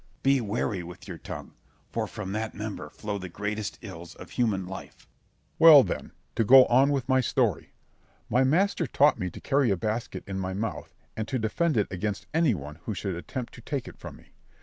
Scip. Be wary with your tongue, for from that member flow the greatest ills of human life. Berg. Well, then, to go on with my story, my master taught me to carry a basket in my mouth, and to defend it against any one who should attempt to take it from me.